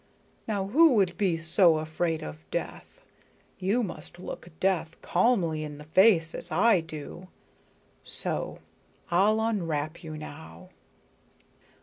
Now who would be so afraid of death? You must look death calmly in the face as I do. So. I'll unwrap you now."